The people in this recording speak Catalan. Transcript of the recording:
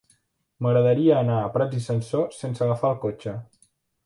M'agradaria anar a Prats i Sansor sense agafar el cotxe.